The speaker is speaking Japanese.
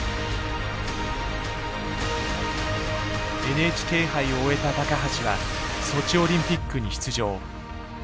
ＮＨＫ杯を終えた橋はソチオリンピックに出場。